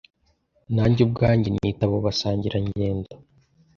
Nanjye ubwanjye nita abo basangirangendo